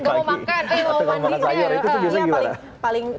itu tuh biasanya gimana